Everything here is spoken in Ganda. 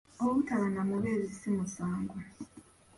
Obutaba na mubeezi si musango.